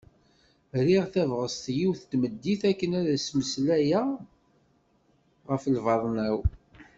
Rriɣ tabɣest yiwet n tmeddit akken ad as-mmeslayeɣ ɣef lbaḍna-w.